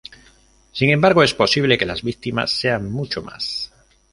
Sin embargo, es posible que las víctimas sean muchas más.